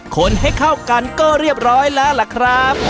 คนให้เข้ากันก็เรียบร้อยแล้วล่ะครับ